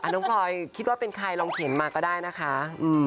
น้องพลอยคิดว่าเป็นใครลองเข็นมาก็ได้นะคะ